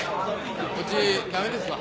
こっち駄目ですわ。